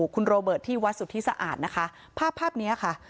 คุณโรเบิร์ตที่วัดสุธิสะอาดนะคะภาพภาพนี้ค่ะ